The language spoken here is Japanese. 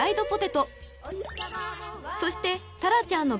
［そして］